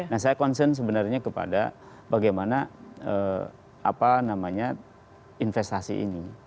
nah saya concern sebenarnya kepada bagaimana investasi ini